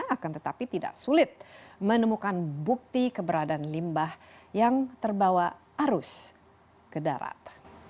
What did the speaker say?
akan tetapi tidak sulit menemukan bukti keberadaan limbah yang terbawa arus ke darat